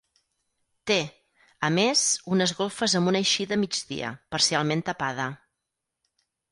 Té, a més unes golfes amb una eixida a migdia, parcialment tapada.